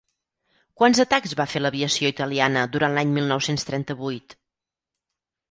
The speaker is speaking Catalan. Quants atacs va fer l’aviació italiana durant l’any mil nou-cents trenta-vuit?